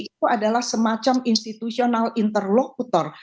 itu adalah semacam institutional interlokutor